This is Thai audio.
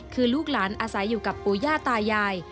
คือลูกหลานอาศัยอยู่กับปู่ย่าตายาย